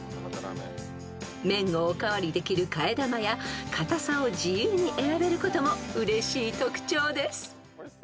［麺をお代わりできる替え玉や硬さを自由に選べることもうれしい特徴です］